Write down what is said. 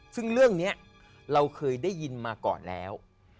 ซึ่งเรื่องนี้เราเคยได้ยินมาก่อนแล้ว